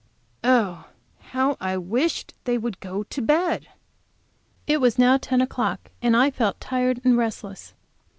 Oh, how I wished they would go to bed! It was now ten o'clock, and I felt tired and restless.